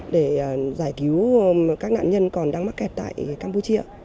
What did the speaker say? để giải cứu các nạn nhân còn đang mắc kẹt tại campuchia